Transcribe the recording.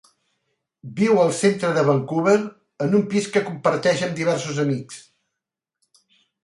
Viu al centre de Vancouver en un pis que comparteix amb diversos amics.